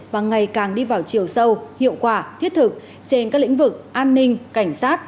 và ngày càng đi vào chiều sâu hiệu quả thiết thực trên các lĩnh vực an ninh cảnh sát